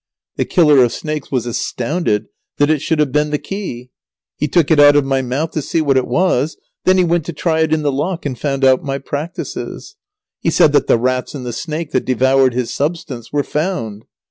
The killer of snakes was astounded that it should have been the key. He took it out of my mouth to see what it was. Then he went to try it in the lock, and found out my practices. He said that the rats and the snake that devoured his substance were found.